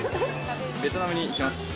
ベトナムに行きます。